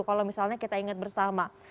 kalau misalnya kita ingat bersama